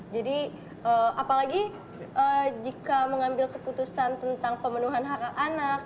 jadi apalagi jika mengambil keputusan tentang pemenuhan hak anak